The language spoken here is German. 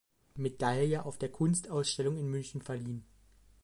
Medaille auf der Kunstausstellung in München verliehen.